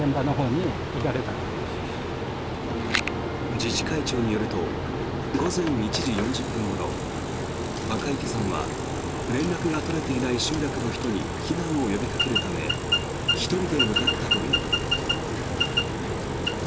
自治会長によると午前１時４０分ごろ赤池さんは連絡が取れていない集落の人に避難を呼びかけるため１人で向かったという。